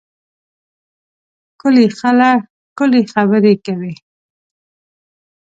ښکلي خلک ښکلې خبرې کوي.